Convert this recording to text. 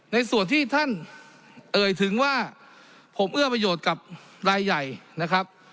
ในส่วนที่ท่านเอ่ยถึงว่าผมเอื้อประโยชน์กับรายใหญ่นะครับ